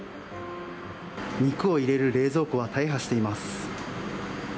肉を入れる冷蔵庫は大破しています。